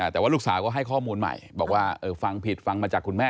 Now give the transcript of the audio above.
แต่ว่าลูกสาวก็ให้ข้อมูลใหม่บอกว่าฟังผิดฟังมาจากคุณแม่